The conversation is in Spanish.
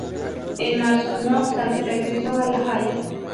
En marzo, no obstante, regresó a La Haya.